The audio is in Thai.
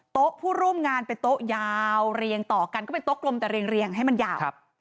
ผู้ร่วมงานเป็นโต๊ะยาวเรียงต่อกันก็เป็นโต๊ะกลมแต่เรียงให้มันยาว